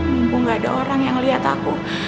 mumpung gak ada orang yang lihat aku